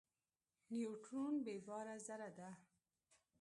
نیوترون بېباره ذره ده.